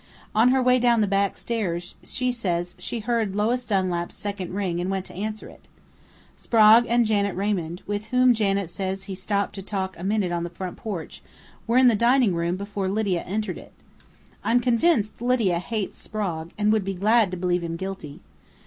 On her way down the backstairs she says she heard Lois Dunlap's second ring and went to answer it. Sprague and Janet Raymond, with whom Janet says he stopped to talk a minute on the front porch, were in the dining room before Lydia entered it.... I'm convinced Lydia hates Sprague and would be glad to believe him guilty....